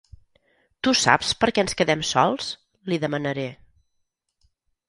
¿Tu saps per què ens quedem sols?, li demanaré.